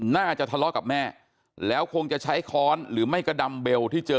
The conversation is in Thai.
น่าจะทะเลาะกับแม่แล้วคงจะใช้ค้อนหรือไม่กระดำเบลที่เจอ